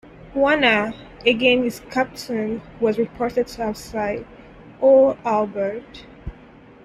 Warner, again his captain, was reported to have sighed: Oh, Albert.